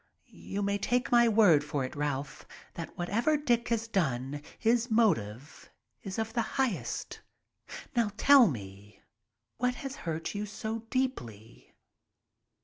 You may take my word for it, Ralph, that whatever Dick has done, his motive is of the highest. Now tell me what has hurt you so deeply?"